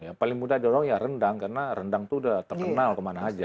yang mudah didorong ya rendang karena rendang itu sudah terkenal kemana saja